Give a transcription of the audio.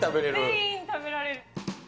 全員食べられる。